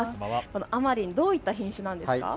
あまりん、どういった品種なんですか。